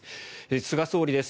菅総理です。